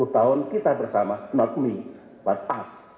sepuluh tahun kita bersama not me what us